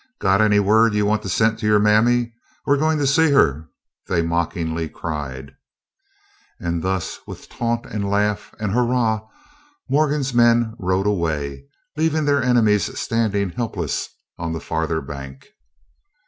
"Got any word you want to send to your mammy? We are going to see her," they mockingly cried. And thus with taunt and laugh and hurrah, Morgan's men rode away, leaving their enemies standing helpless on the farther bank.